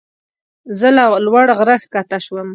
زه له لوړ غره ښکته شوم.